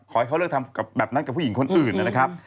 ให้เขาเลิกทำกับแบบนั้นกับผู้หญิงคนอื่นนะครับ